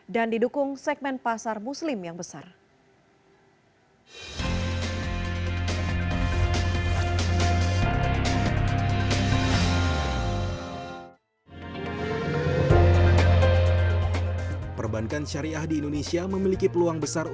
didukung segmen pasar muslim yang besar